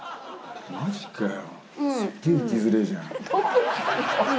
マジかよ。